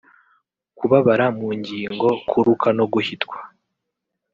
kubabara mu ngingo kuruka no guhitwa